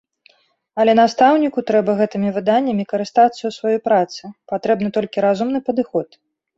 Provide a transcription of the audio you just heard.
Але настаўніку трэба гэтымі выданнямі карыстацца ў сваёй працы, патрэбны толькі разумны падыход.